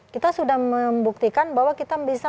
kita sudah membuktikan bahwa kita bisa